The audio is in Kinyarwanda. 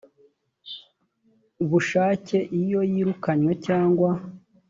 bushake iyo yirukanywe cyangwa